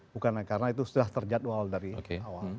bukan karena itu sudah terjadwal dari awal